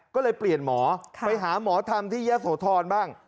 ก็เลยเปลี่ยนหมอไปหาหมอธรรมที่ยะโสธรบ้าง